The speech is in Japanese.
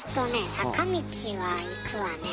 坂道は行くわね